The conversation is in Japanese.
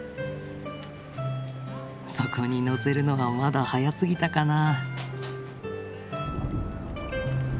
そこにのせるのはまだ早すぎたかな？